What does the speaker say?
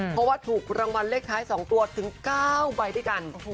เพราะว่าถูกรางวัลเลขท้าย๒ตัวถึง๙ใบด้วยกัน